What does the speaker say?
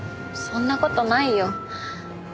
そんな事ないよ。